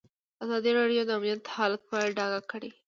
ازادي راډیو د امنیت حالت په ډاګه کړی.